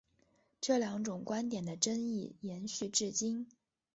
这两种观点的争议延续至今。